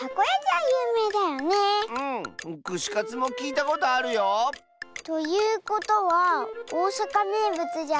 くしカツもきいたことあるよ！ということはおおさかめいぶつじゃないのは。